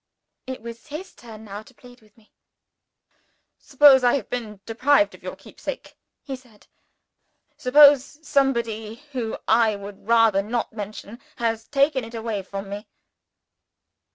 It was his turn now to plead with me. "Suppose I have been deprived of your keepsake?" he said. "Suppose somebody whom I would rather not mention, has taken it away from me?"